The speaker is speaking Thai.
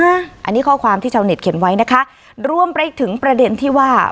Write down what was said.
อันนี้ข้อความที่ชาวเน็ตเขียนไว้นะคะรวมไปถึงประเด็นที่ว่า